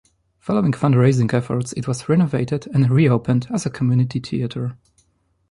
Following fundraising efforts, it was renovated and reopened as a community theatre.